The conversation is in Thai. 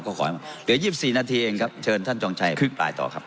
ก็ขอให้หรือ๒๔นาทีเองครับเชิญท่านจองชัยพั่ตบ้างครับ